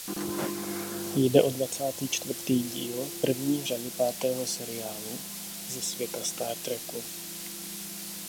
Jde o dvacátý čtvrtý díl první řady pátého seriálu ze světa Star Treku.